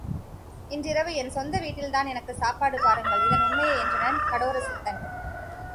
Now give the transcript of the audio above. இன்றிரவு என் சொந்த வீட்டில் தான் எனக்குச் சாப்பாடு பாருங்கள் இதன் உண்மையை என்றனன் கடோரசித்தன்.